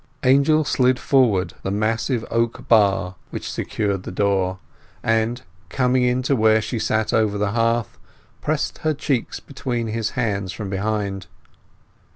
Angel slid forward the massive oak bar which secured the door, and coming in to where she sat over the hearth, pressed her cheeks between his hands from behind.